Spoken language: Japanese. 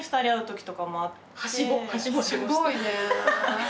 すごいね。